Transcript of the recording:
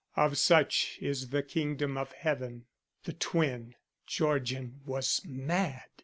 Of such is the Kingdom of heaven. The twin! Georgian was mad.